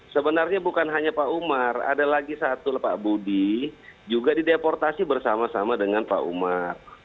sebenarnya bukan hanya pak umar ada lagi satu pak budi juga dideportasi bersama sama dengan pak umar